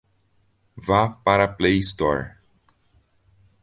Vá para a Play Store.